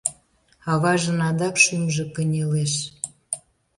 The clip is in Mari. Аважын адак шӱмжӧ кынелеш.